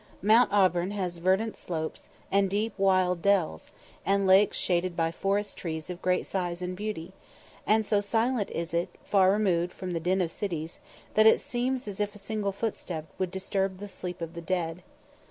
Mount Auburn has verdant slopes, and deep wild dells, and lakes shaded by forest trees of great size and beauty; and so silent is it, far removed from the din of cities, that it seems as if a single footstep would disturb the sleep of the dead.